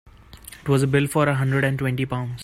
It was a bill for a hundred and twenty pounds.